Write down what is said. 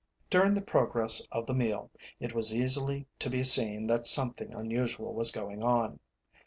During the progress of the meal, it was easily to be seen that something unusual was going on.